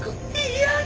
嫌だ！